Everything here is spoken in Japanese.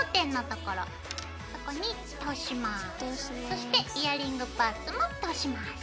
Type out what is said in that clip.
そしてイヤリングパーツも通します。